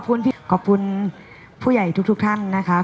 ขอขอบคุณหน่อยนะคะ